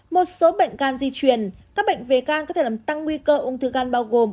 một số bệnh gan di chuyển các bệnh về gan có thể làm tăng nguy cơ uống thư gan bao gồm